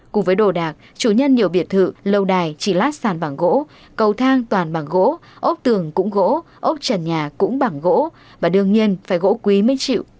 cùng với đồ đạc chủ nhân nhiều biệt thự lâu đài chỉ lát sàn bằng gỗ cầu thang toàn bằng gỗ ốp tường cũng gỗ ốc trần nhà cũng bằng gỗ và đương nhiên phải gỗ quý mới chịu